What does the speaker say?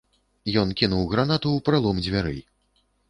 Ён кінуў гранату ў пралом дзвярэй.